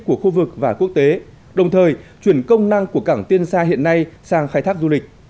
của khu vực và quốc tế đồng thời chuyển công năng của cảng tiên sa hiện nay sang khai thác du lịch